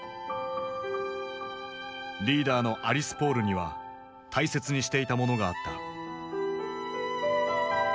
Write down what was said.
リーダーのアリス・ポールには大切にしていたものがあった。